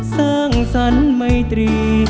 สร้างสรรค์ไมตรี